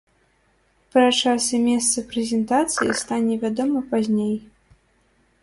Пра час і месца прэзентацыі стане вядома пазней.